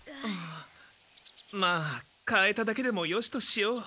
まあ買えただけでもよしとしよう。